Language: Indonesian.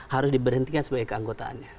harus diberhentikan sebagai keanggotaannya